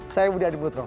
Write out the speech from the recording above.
saya budi adibutro